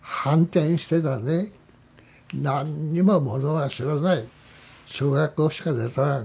何にもものは知らない小学校しか出とらん。